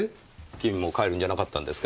君も帰るんじゃなかったんですか？